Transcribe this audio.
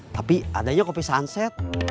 tapi adanya kopi sunset